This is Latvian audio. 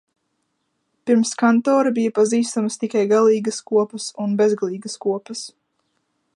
"Pirms Kantora bija pazīstamas tikai galīgas kopas un "bezgalīgas kopas"."